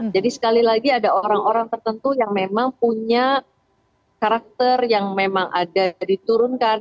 jadi sekali lagi ada orang orang tertentu yang memang punya karakter yang memang ada diturunkan